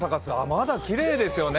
まだきれいですよね。